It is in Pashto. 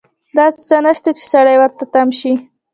داسې څه نشته چې سړی ورته تم شي.